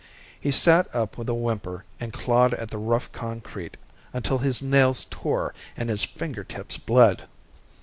He sat up with a whimper and clawed at the rough concrete until his nails tore and his fingertips bled.